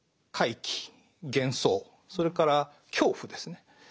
怪奇幻想それから恐怖ですね。